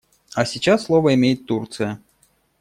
А сейчас слово имеет Турция.